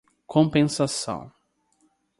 compensação